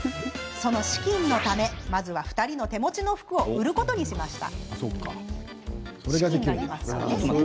その資金のため２人の手持ちの服を売ることにしました。